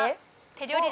手料理！